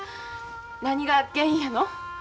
何が原因やの？